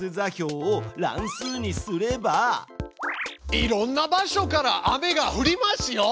いろんな場所から雨が降りますよ！